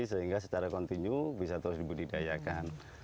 sehingga secara kontinu bisa terus dibudidayakan